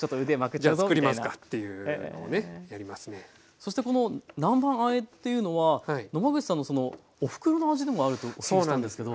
そしてこの南蛮あえっていうのは野間口さんのおふくろの味でもあるとお聞きしたんですけど。